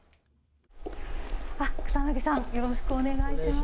草なぎさん、よろしくお願いします。